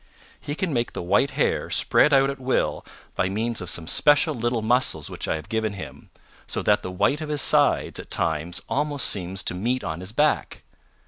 He can make the white hair spread out at will by means of some special little muscles which I have given him, so that the white of his sides at times almost seems to meet on his back.